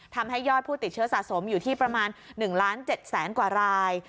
ทำให้ยอดผู้ติดเชื้อสะสมอยู่ที่ประมาณ๑ล้าน๗แสนกว่าราย